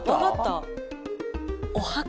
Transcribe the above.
お墓。